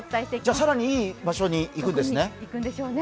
更にいい場所に行くんですね。